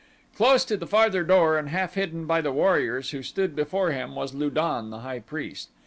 Close to the farther door and half hidden by the warriors who stood before him was Lu don, the high priest.